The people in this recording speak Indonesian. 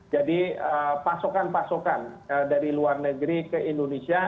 jadi pasokan pasokan dari luar negeri ke indonesia